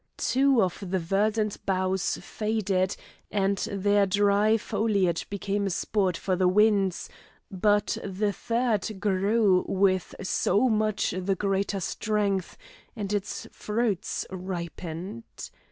Two of the verdant boughs faded, and their dry foliage became a sport for the winds, but the third grew with so much the greater strength, and its fruits ripened.